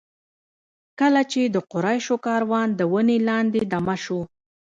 کله چې د قریشو کاروان د ونې لاندې دمه شو.